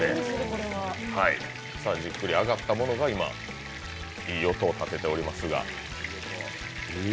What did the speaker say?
じっくり揚がったものが、今いい音を立てておりますが。